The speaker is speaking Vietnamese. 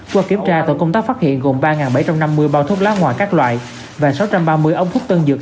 qua kiểm tra tổ công tác phát hiện gồm ba bảy trăm năm mươi bao thuốc lá ngoại các loại và sáu trăm ba mươi ống hút tân dược